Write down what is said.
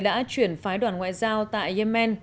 đã chuyển phái đoàn ngoại giao tại yemen